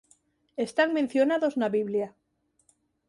Están mencionados na Biblia.